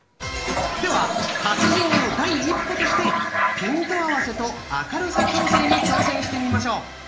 では達人への第一歩としてピント合わせと明るさ調整に挑戦してみましょう。